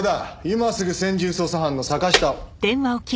今すぐ専従捜査班の坂下を。